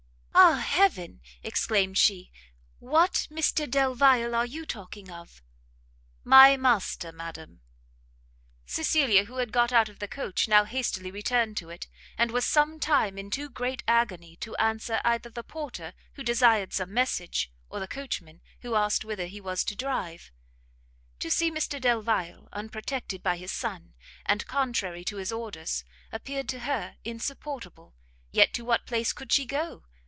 "Ah heaven!" exclaimed she, "what Mr Delvile are you talking of?" "My master, madam." Cecilia, who had got out of the coach, now hastily returned to it, and was some time in too great agony to answer either the porter, who desired some message, or the coachman, who asked whither he was to drive. To see Mr Delvile, unprotected by his son, and contrary to his orders, appeared to her insupportable; yet to what place could she go?